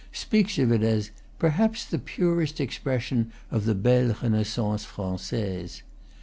speaks of it as, "perhaps the purest expres sion of the belle Renaissance francaise."